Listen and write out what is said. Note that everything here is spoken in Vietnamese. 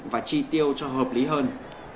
và chi tiêu cho hợp lý hơn